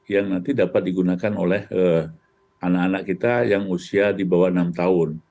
yang nanti dapat digunakan oleh anak anak kita yang usia di bawah enam tahun